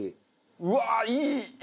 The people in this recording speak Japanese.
うわーいい。